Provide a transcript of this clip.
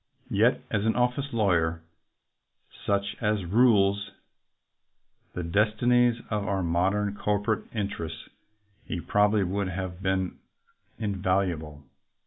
Yet as an office lawyer — such as rules the destinies of our modern corporate interests — he probably would have been invaluable.